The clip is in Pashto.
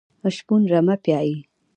شپون رمه پيایي.